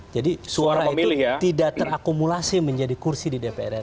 jadi suara itu tidak terakumulasi menjadi kursi di dprn